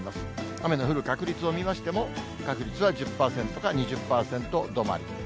雨の降る確率を見ましても、確率は１０％か２０％止まり。